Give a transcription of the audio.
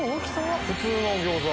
普通の餃子。